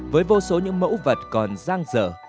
với vô số những mẫu vật còn giang dở